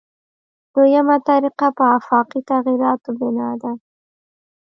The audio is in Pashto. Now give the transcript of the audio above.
دویمه طریقه په آفاقي تغییراتو بنا ده.